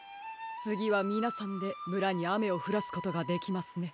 つぎはみなさんでむらにあめをふらすことができますね。